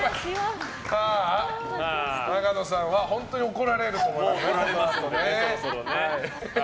永野さんは本当に怒られると思います。